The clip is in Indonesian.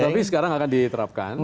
jadi sekarang akan diterapkan